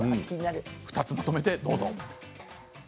２つまとめてどうぞ。